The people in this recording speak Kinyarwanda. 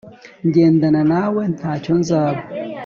ngendana nawe, ntacyo nzaba